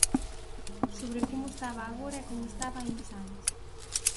Sobre como estaba agora e como estaba hai uns anos.